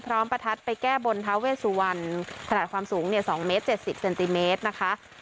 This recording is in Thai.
พร้อมประทัดไปแก้บนทาเวสุวรรณขนาดความสูงเนี่ยสองเมตรเจ็ดสิบเซนติเมตรนะคะ